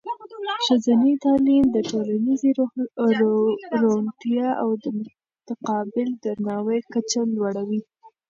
ښځینه تعلیم د ټولنیزې روڼتیا او د متقابل درناوي کچه لوړوي.